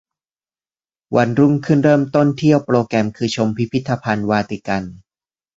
วันรุ่งขึ้นเริ่มต้นเที่ยวโปรแกรมคือชม พิพิทธภัณฑ์วาติกัน